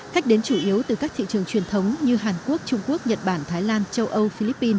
khách đến chủ yếu từ các thị trường truyền thống như hàn quốc trung quốc nhật bản thái lan châu âu philippines